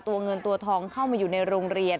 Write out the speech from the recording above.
เงินตัวทองเข้ามาอยู่ในโรงเรียน